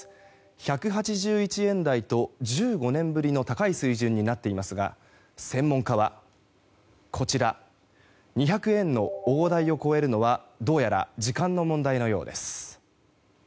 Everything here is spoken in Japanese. １８１円台と、１５年ぶりの高い水準になっていますが専門家は、こちら２００円の大台を超えるのはどうやら時間の問題のようです。